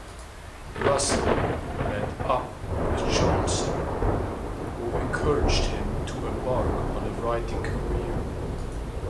Russell met up with Johnson, who encouraged him to embark on a writing career.